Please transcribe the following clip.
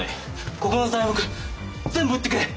ここの材木全部売ってくれ！